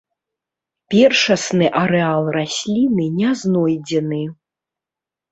Першасны арэал расліны не знойдзены.